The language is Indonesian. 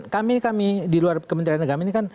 kami kami di luar kementerian agama ini kan